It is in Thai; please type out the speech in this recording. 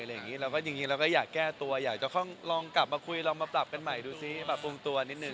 แล้วก็จริงเราก็อยากแก้ตัวอยากจะลองกลับมาคุยลองมาปรับกันใหม่ดูซิปรับปรุงตัวนิดนึ